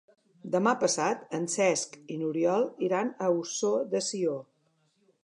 Demà passat en Cesc i n'Oriol iran a Ossó de Sió.